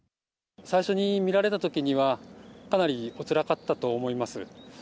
最初に見られたときには、かなりおつらかったと思います。